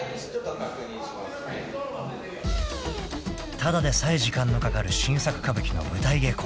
［ただでさえ時間のかかる新作歌舞伎の舞台稽古］